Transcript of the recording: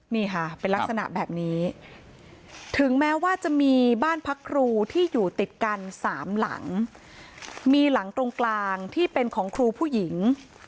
นี่ค่ะเป็นลักษณะแบบนี้ถึงแม้ว่าจะมีบ้านพักครูที่อยู่ติดกันสามหลังมีหลังตรงกลางที่เป็นของครูผู้หญิง